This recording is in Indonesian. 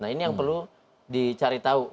nah ini yang perlu dicari tahu